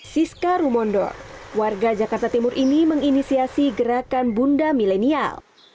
siska rumondo warga jakarta timur ini menginisiasi gerakan bunda milenial